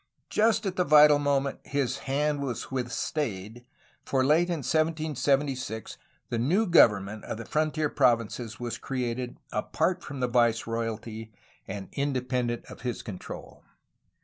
Just at the vital moment, his hand was withstaid, for late in 1776 the new government of the frontier provinces was created apart from the viceroy alty and independent of his control.